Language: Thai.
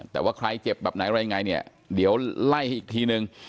แต่ว่าใครเจ็บแบบไหนอะไรยังไงเนี่ยเดี๋ยวไล่ให้อีกทีนึง